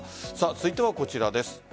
続いてはこちらです。